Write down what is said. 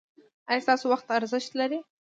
ایا ستاسو وخت ارزښت لري؟